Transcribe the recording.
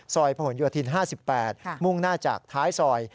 พะหนโยธิน๕๘มุ่งหน้าจากท้ายซอย